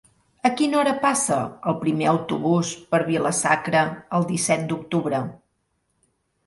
A quina hora passa el primer autobús per Vila-sacra el disset d'octubre?